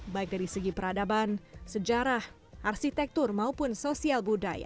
baik dari segi peradaban sejarah arsitektur maupun sosial budaya